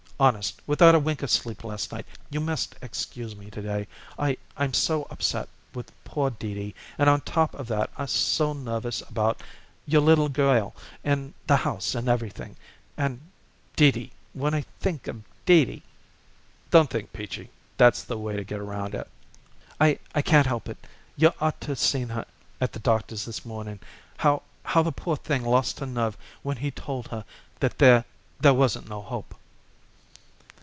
Honest, without a wink of sleep last night you must excuse me to day. I I'm so upset with poor Dee Dee, and on top of that so nervous about your little girl and the house and everything. And, Dee Dee when I think of Dee Dee." "Don't think, Peachy; that's the way to get around that." "I I can't help it. You ought to seen her at the doctor's this morning, how how the poor thing lost her nerve when he told her that there there wasn't no hope."